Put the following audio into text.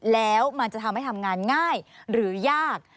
แล้วมันจะทำให้ทำงานง่ายหรือยาก